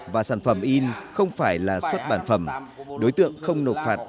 và sản phẩm in không phải là xuất bản phẩm đối tượng không nộp phạt